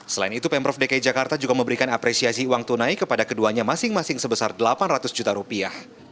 selain itu pemprov dki jakarta juga memberikan apresiasi uang tunai kepada keduanya masing masing sebesar delapan ratus juta rupiah